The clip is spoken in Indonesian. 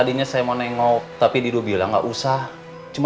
maaf saya enggak bisa beritahu